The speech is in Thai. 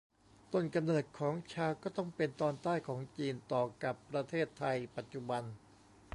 ต้นกำเนิดของชาก็ต้องเป็นตอนใต้ของจีน ต่อกับประเทศไทยปัจจุบัน